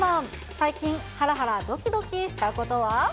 最近、ハラハラ、ドキドキしたことは？